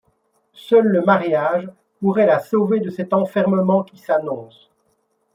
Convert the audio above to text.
Seul le mariage pourrait la sauver de cet enfermement qui s’annonce.